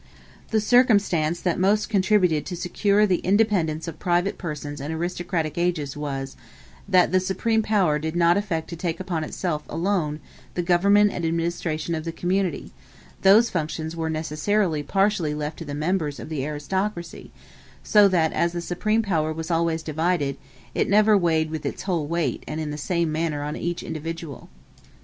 The circumstance which most contributed to secure the independence of private persons in aristocratic ages, was, that the supreme power did not affect to take upon itself alone the government and administration of the community; those functions were necessarily partially left to the members of the aristocracy: so that as the supreme power was always divided, it never weighed with its whole weight and in the same manner on each individual.